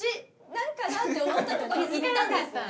「何かな？」って思ったとこに行ったんですね。